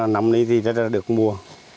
năm nay thì đã được mua